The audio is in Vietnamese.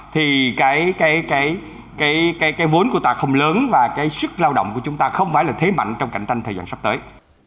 thì cái vốn của ta không lớn và cái sức lao động của chúng ta không phải là thế mạnh trong cạnh tranh thời gian sắp tới